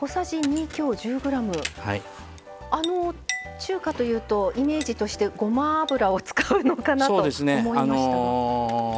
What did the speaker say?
中華というとイメージとしてごま油を使うのかなと思いましたが。